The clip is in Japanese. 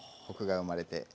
コクが生まれて。